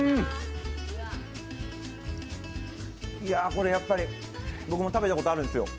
これやっぱり僕も食べたことあるんですよ。